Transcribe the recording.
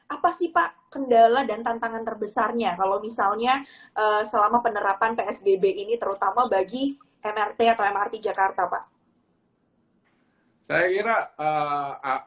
apa sih pak kendala dan tantangan terbesarnya kalau misalnya selama penerapan psbb ini terutama bagi mrt atau mrt jakarta pak